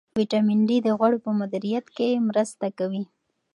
ویټامین ډي د غوړو په مدیریت کې مرسته کوي.